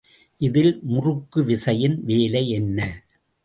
இதில் முறுக்கு விசையின் வேலை என்ன?